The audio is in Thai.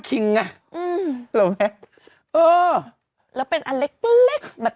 กล้วยทอด๒๐๓๐บาท